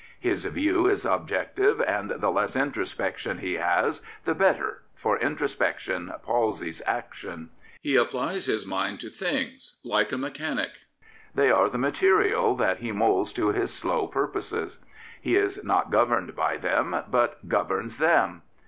His view is objective, and the less introspection he has the better, for introspection palsies action. He applies his mind to things like a mechanic. They are the material that he moulds to his slow purposes. He is not governed by them, but governs them.